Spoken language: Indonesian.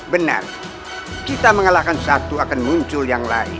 benar kita mengalahkan satu akan muncul yang lain